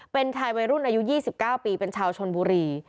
เป็นชายวัยรุ่นอายุ๒๙ปีเป็นชาวชนบุรี